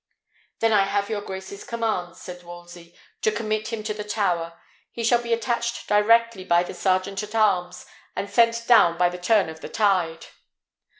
"Then I have your grace's commands," said Wolsey, "to commit him to the Tower. He shall be attached directly by the sergeant at arms, and sent down by the turn of the tide."